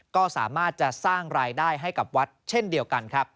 ก็สามารถจะสร้างรายได้ให้กับวัดเช่นเดียวกันครับ